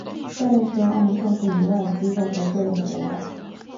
下列是由澳门政府以外的机构所设立的博物馆。